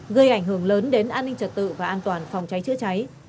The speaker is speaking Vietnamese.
gây ảnh hưởng lớn đến an ninh trật tự và an toàn phòng cháy chữa cháy